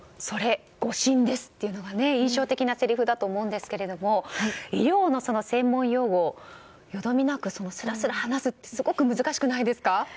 それ、誤診ですというのが印象的なせりふだと思うんですけども医療の専門用語をよどみなくすらすら話すというのはすごく難しくないですか？